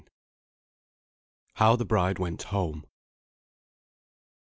HOW THE BRIDE WENT HOME.